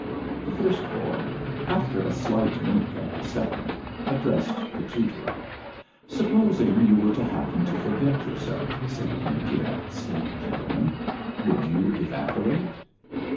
The first boy, after a slight wink at the second, addressed the tutor. "Supposing you were to happen to forget yourself," said he to that sleek gentleman, "would you evaporate?"